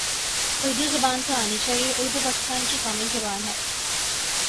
اردو زبان تو آنی چاہیے اردو پاکستان کی قومی زبان ہے